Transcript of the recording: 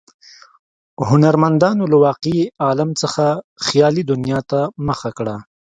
هنرمندانو له واقعي عالم څخه خیالي دنیا ته مخه کړه.